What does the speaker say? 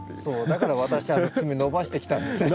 だから私爪伸ばしてきたんですよ。